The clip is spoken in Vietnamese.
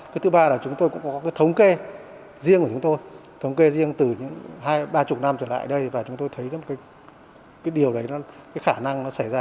cái thứ ba là chúng tôi cũng có cái thống kê riêng của chúng tôi thống kê riêng từ ba mươi năm trở lại đây và chúng tôi thấy một cái điều đấy cái khả năng nó xảy ra